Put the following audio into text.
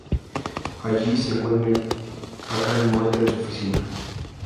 Allí, se encuentra a Karen muerta en su oficina.